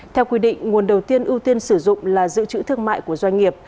theo quy định nguồn đầu tiên ưu tiên sử dụng là dự trữ thương mại của doanh nghiệp